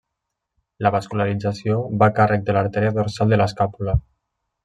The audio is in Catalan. La vascularització va a càrrec de l'artèria dorsal de l'escàpula.